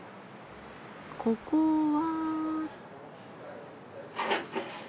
ここは。